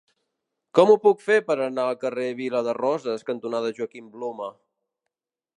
Com ho puc fer per anar al carrer Vila de Roses cantonada Joaquim Blume?